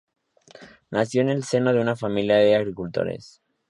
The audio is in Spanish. Nació en el seno de una familia de agricultores.